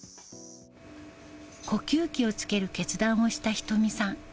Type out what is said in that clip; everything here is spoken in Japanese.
呼吸器をつける決断をした仁美さん。